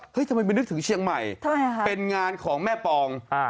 ทำไมไม่นึกถึงเชียงใหม่เป็นงานของแม่ปอง